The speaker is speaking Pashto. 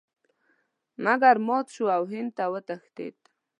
مګر مات شو او هند ته وتښتېد.